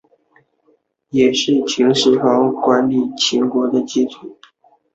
也是秦始皇管理秦国的基础。